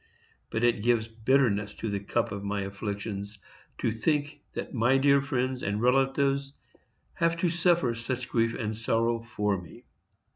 But it gives bitterness to the cup of my afflictions to think that my dear friends and relatives have to suffer such grief and sorrow for me.